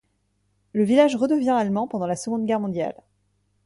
Le village redevient allemand pendant la Seconde Guerre mondiale.